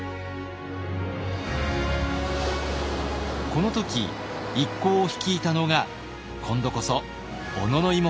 この時一行を率いたのが今度こそ小野妹子でした。